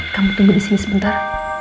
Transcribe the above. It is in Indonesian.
kamu tunggu disini sebentar